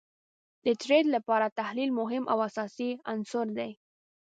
د ټریډ لپاره تحلیل مهم او اساسی عنصر دي